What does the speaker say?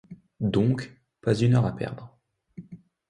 Donc, pas une heure à perdre